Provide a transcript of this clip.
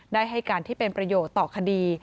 ให้การที่เป็นประโยชน์ต่อคดี